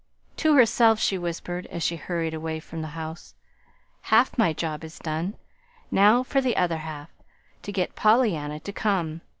To herself she whispered, as she hurried away from the house: "Half my job is done. Now for the other half to get Pollyanna to come.